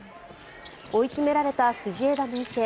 追い詰められた藤枝明誠。